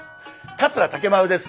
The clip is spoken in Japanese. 桂竹丸です。